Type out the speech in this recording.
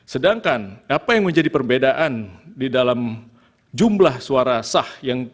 sedangkan apa yang menjadi perbedaan di dalam jumlah suara sah